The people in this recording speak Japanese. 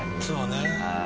そうね。